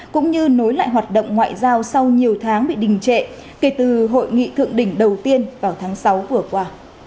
cũng như nối lại hoạt động ngoại giao sau nhiều tháng bị đình trệ kể từ hội nghị thượng đỉnh đầu tiên vào tháng sáu vừa qua